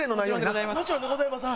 もちろんでございます。